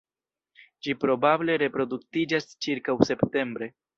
Ĝi probable reproduktiĝas ĉirkaŭ septembre.